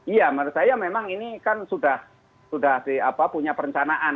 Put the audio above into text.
iya menurut saya memang ini kan sudah punya perencanaan